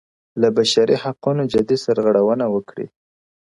له بشري حقونو جدي سرغړونه وکړي